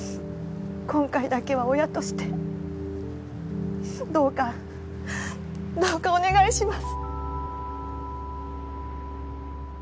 今回だけは親としてどうかどうかお願いします